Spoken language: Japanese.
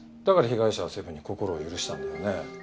だから被害者はセブンに心を許したんだよね。